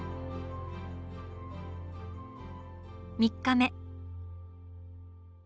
３日目。